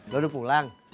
lo udah pulang